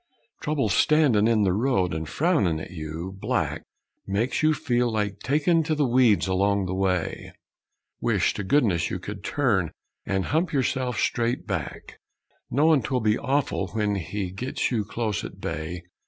Trouble standin' in th' road and frownin' at you, black, Makes you feel like takin' to the weeds along the way; Wish to goodness you could turn and hump yerself straight back; Know 'twill be awful when he gets you close at bay!